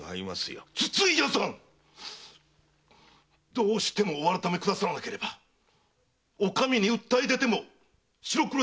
どうしてもお改めくださらなければお上に訴え出ても白黒つけさせていただきます！